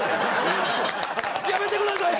やめてください！